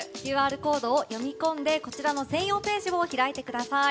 ＱＲコードを読み込んでこちらの専用ページを開いてください。